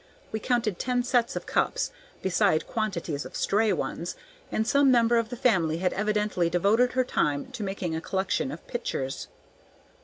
We counted ten sets of cups, beside quantities of stray ones; and some member of the family had evidently devoted her time to making a collection of pitchers.